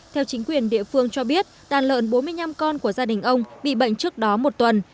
theo chính quyền địa phương cho biết đàn lợn bốn mươi năm con của gia đình ông bị bệnh trước đó một tuần